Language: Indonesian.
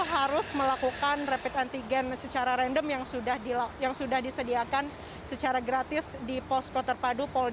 harus melakukan rapid antigen secara random yang sudah disediakan secara gratis di posko terpadu